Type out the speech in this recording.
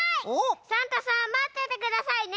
サンタさんまっててくださいね！